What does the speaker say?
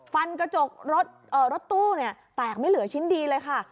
กระจกรถตู้แตกไม่เหลือชิ้นดีเลยค่ะ